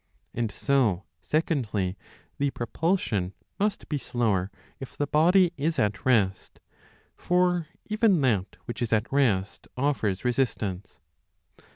And so, secondly, the propulsion must be slower if the body is at rest ; for even that which is at rest offers resistance.